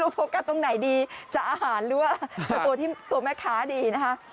โฟกัสตรงไหนดีจะอาหารหรือว่าตัวแม่ค้าดีนะคะ